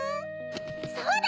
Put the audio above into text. そうだ！